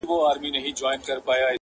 کشکي ستا په خاطر لمر وای راختلی-!